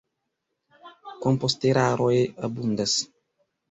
Komposteraroj abundas.